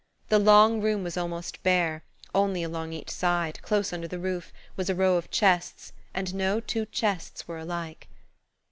The long room was almost bare; only along each side, close under the roof, was a row of chests, and no two chests were alike.